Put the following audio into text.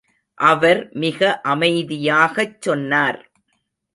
அவர் மிக அமைதியாகச் சொன்னார்.